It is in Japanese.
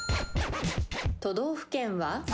都道府県は？